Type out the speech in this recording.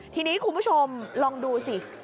ทีนี้คุณผู้ชมลองดูสิ